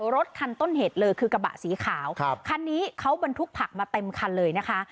รถคันต้นเหตุเลยคือกระบะสีขาวคันนี้เขาบรรทุกผักมาเต็มคันเลยนะคะ